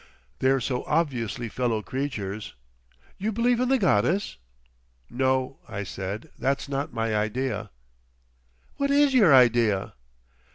They're so obviously fellow creatures. You believe in the goddess?" "No," I said, "that's not my idea." "What is your idea?"